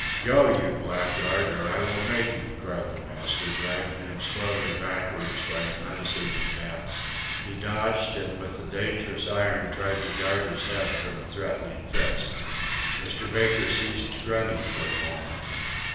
"Go, you blackguard, or I will make you," cried the master, driving him slowly backwards by a menacing advance. He dodged, and with the dangerous iron tried to guard his head from a threatening fist. Mr. Baker ceased grunting for a moment.